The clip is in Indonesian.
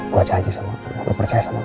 gua janji sama lo lu percaya sama gua